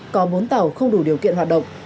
có bốn tàu không đủ điều kiện hoạt động